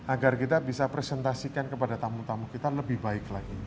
agar kita bisa presentasikan kepada tamu tamu kita lebih baik lagi